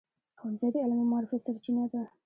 ښوونځی د علم او معرفت سرچینه ده.